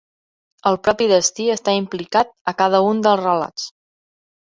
El propi destí està implicat a cada un dels relats.